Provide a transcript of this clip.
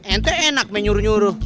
ente enak menyuruh nyuruh